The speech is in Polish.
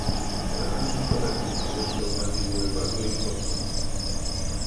Koleżanki i koledzy, powyższe uwagi były bardzo istotne